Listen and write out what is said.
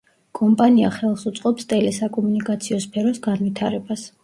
კომპანია ხელს უწყობს ტელესაკომუნიკაციო სფეროს განვითარებას.